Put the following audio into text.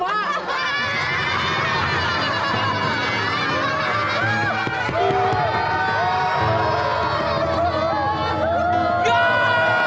ya allah mak